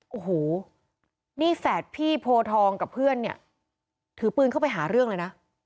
โอ้โหนี่แฝดพี่โพทองกับเพื่อนเนี่ยถือปืนเข้าไปหาเรื่องเลยนะ